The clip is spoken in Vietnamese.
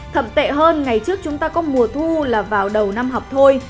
thậm tệ hơn ngày trước chúng ta có mùa thu là vào đầu năm học thôi